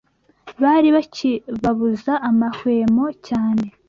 Bari bakibabuza amahwemo cyane